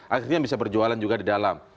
akhirnya bisa berjualan juga di dalam